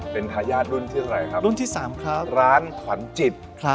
เป็นทายาทรุ่นที่อะไรครับรุ่นที่สามครับร้านขวัญจิตครับ